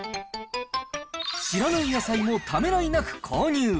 知らない野菜もためらいなく購入。